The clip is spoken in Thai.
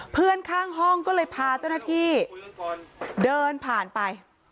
เพื่อนข้างห้องก็เลยพาเจ้าหน้าที่เดินผ่านไป